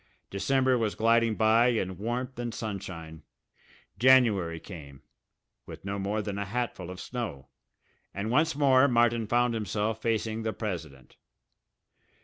December was gliding by in warmth and sunshine. January came, with no more than a hatful of snow, and once more Martin found himself facing the president.